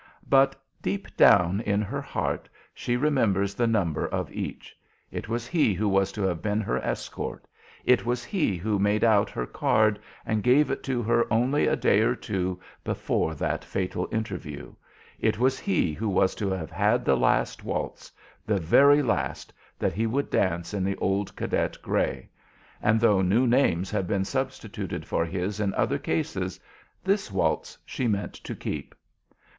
But deep down in her heart she remembers the number of each. It was he who was to have been her escort. It was he who made out her card and gave it to her only a day or two before that fatal interview. It was he who was to have had the last waltz the very last that he would dance in the old cadet gray; and though new names have been substituted for his in other cases, this waltz she meant to keep.